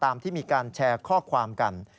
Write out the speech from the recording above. ที่มีการแชร์ข้อความกัน